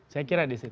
saya kira di situ